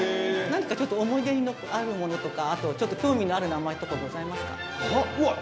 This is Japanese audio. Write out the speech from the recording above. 何かちょっと思い出にあるものとか、ちょっと興味のある名前とかございますか。